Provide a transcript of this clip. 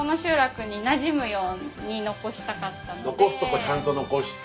残すとこちゃんと残して。